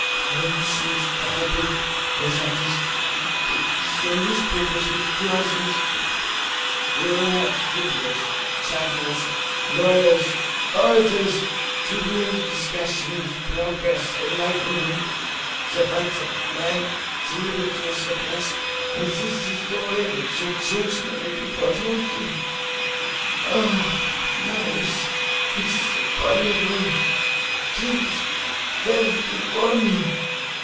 One thing is terrible and that is to think that it is your newspapers which do all the mischief. You will have scribblers, chatterers, lawyers, orators, tribunes, discussions, progress, enlightenment, the rights of man, the liberty of the press, and this is the way that your children will be brought home to you. Ah! Marius! It is abominable! Killed! Dead before me!